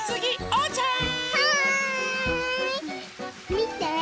みて。